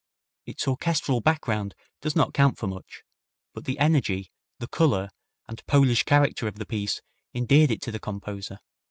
Its orchestral background does not count for much, but the energy, the color and Polish character of the piece endeared it to the composer.